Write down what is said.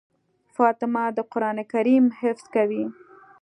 فاطمه د قرآن کريم حفظ کوي.